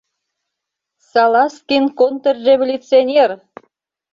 Салазкин — контрреволюционер!..